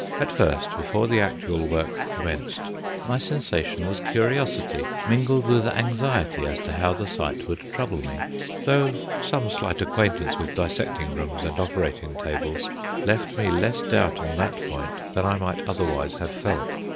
At first, before the actual work commenced, my sensation was curiosity mingled with anxiety as to how the sight would trouble me, though some slight acquaintance with dissecting rooms and operating tables left me less doubt on that point than I might otherwise have felt.